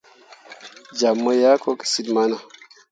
Jam mu yah ko kecil mana.